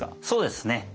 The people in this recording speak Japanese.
そうですね。